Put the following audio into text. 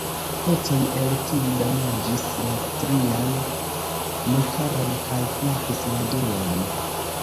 Pecoj el tiu damaĝis la trian motoron kaj frapis la duan.